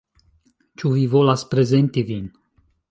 Ĉu vi volas prezenti vin